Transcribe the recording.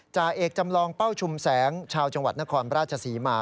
จ่าเอกจำลองเป้าชุมแสงชาวจังหวัดนครราชศรีมา